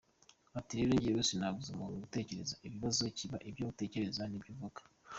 Ati rero jywewe sinabuza umuntu gutekereza, ikibazo kiba ibyo atekereza ni byo avuga.